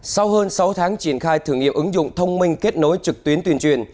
sau hơn sáu tháng triển khai thử nghiệm ứng dụng thông minh kết nối trực tuyến tuyên truyền